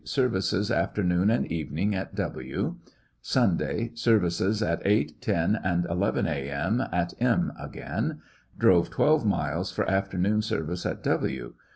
Services afternoon and evening at W . Sunday. Services at 8, 10, and 11 a.m. at Mi again. Drove twelve miles for after noon service at W